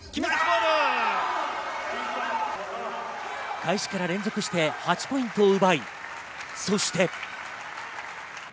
開始から連続して８ポイントを奪い、そして。